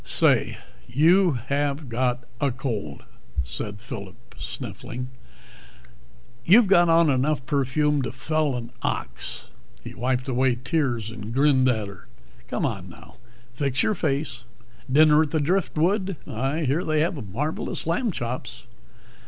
"Say, you have got a cold," said Phillip, sniffing. "You've got on enough perfume to fell an ox." He wiped away tears and grinned at her. "Come on now, fix your face. Dinner at the Driftwood? I hear they have marvelous lamb chops."